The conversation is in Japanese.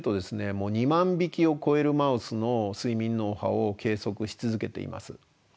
もう２万匹を超えるマウスの睡眠脳波を計測し続けています。